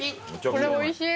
これおいしい。